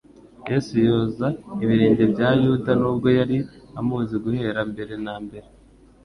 Yesu yoza ibirenge bya Yuda, nubwo yari amuzi guhera mbere na mbere;